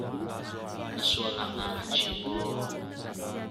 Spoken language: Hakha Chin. Na sualnak naa ngaichih maw?